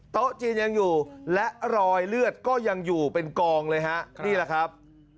โต๊ะจีนยังอยู่และรอยเลือดก็ยังอยู่เป็นกองเลยฮะนี่แหละครับ